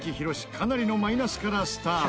かなりのマイナスからスタート。